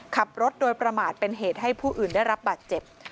ขับรถโดยประมาทเป็นเหตุให้ผู้อื่นได้รับบาดเจ็บ